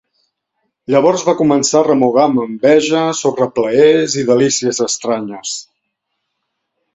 Llavors va començar a remugar amb enveja sobre plaers i delícies estranyes.